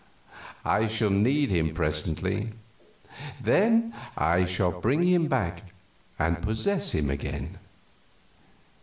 I shall need him presently; then I shall bring him back and possess him again.